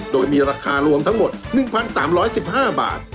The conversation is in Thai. โดยมีราคารวมทั้งหมด๑๓๑๕บาท